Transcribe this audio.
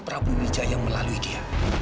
prabu wijaya melalui dia